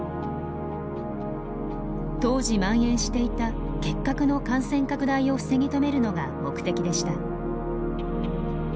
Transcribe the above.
当時まん延していた結核の感染拡大を防ぎ止めるのが目的でした。